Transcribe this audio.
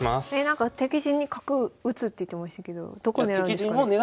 なんか敵陣に角打つって言ってましたけどどこ狙うんですかね？